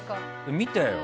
見たよ。